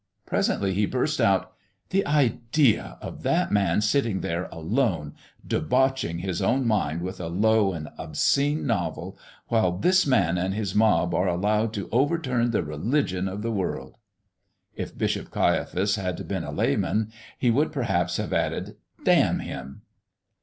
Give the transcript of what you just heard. Presently he burst out: "The idea of that man sitting there alone, debauching his own mind with a low and obscene novel, while this Man and His mob are allowed to overturn the religion of the world!" If Bishop Caiaphas had been a layman he would perhaps have added, "Damn him!"